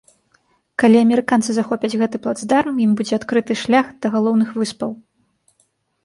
Калі амерыканцы захопяць гэты плацдарм, ім будзе адкрыты шлях да галоўных выспаў.